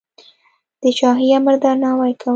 د شاهي امر درناوی کوم.